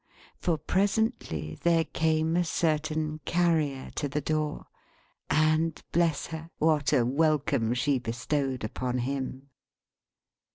For presently, there came a certain Carrier to the door; and bless her what a welcome she bestowed upon him!